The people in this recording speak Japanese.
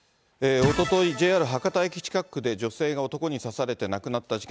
おととい、ＪＲ博多駅近くで女性が男に刺されて亡くなった事件。